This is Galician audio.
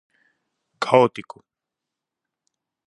Caótico.